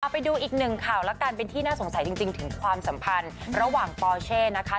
ไปดูอีกหนึ่งข่าวแล้วกันเป็นที่น่าสงสัยจริงถึงความสัมพันธ์ระหว่างปอเช่นะคะ